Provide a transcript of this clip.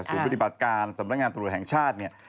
ศูนย์พฤติบัตรการสำนักงานตรวจแห่งชาติเนี่ย